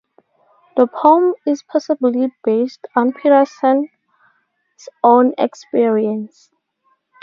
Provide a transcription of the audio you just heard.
The poem is possibly based on Paterson's own experience.